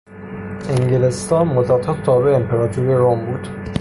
انگلستان مدتها تابع امپراطوری روم بود.